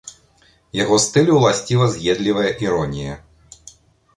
Яго стылю ўласціва з'едлівая іронія.